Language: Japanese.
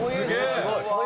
すごい。